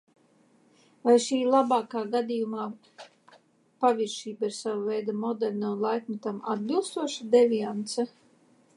Vai šī labākā gadījumā paviršība ir sava veida moderna un laikmetam atbilstoša deviance?